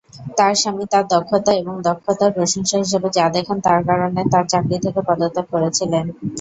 তার স্বামী তার দক্ষতা এবং দক্ষতার প্রশংসা হিসাবে যা দেখেন তার কারণে তার চাকরি থেকে পদত্যাগ করেছিলেন।